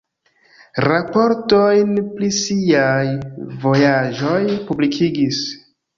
Raportojn pri siaj vojaĝoj publikigis.